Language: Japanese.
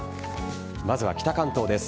まずは北関東です。